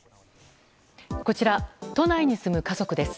こちら、都内に住む家族です。